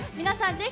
皆さん